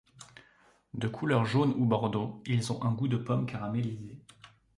De couleur jaune ou bordeaux, ils ont un goût de pomme caramélisée.